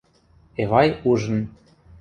Эвай ужын: